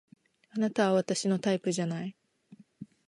あなたは私のタイプじゃない